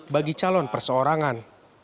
bagi calon perseorangan